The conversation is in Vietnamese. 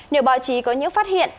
nếu báo chí có những phát hiện